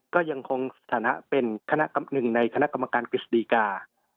ก็ยังคงสถานะเป็นคณะหนึ่งในคณะกรรมการกฤษฎีกา